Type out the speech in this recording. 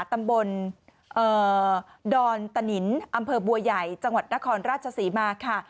ตำบลดอนตะนินอำเภอบัวใหญ่จังหวัดนครราชศรีมาค่ะ